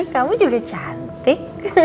kamu juga cantik